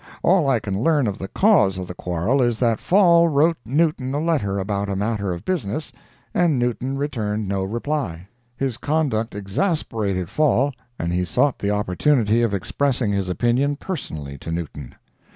All I can learn of the cause of the quarrel is that Fall wrote Newton a letter about a matter of business, and Newton returned no reply. His conduct exasperated Fall, and he sought the opportunity of expressing his opinion personally to Newton.